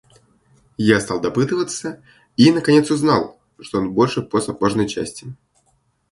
Я стал допытываться и, наконец, узнал, что он больше по сапожной части.